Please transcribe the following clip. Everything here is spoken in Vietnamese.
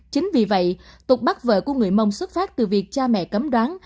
chính vì vậy tục bắt vợ của người mông xuất phát từ việc cha mẹ cấm đoán